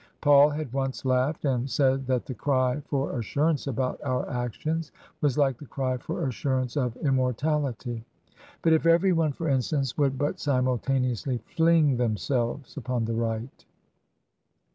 Paul had once laughed and said that the cry for assurance about our actions was like the cry for assurance of immortality. But if everyone, for instance, would but simultaneously fling themselves upon the right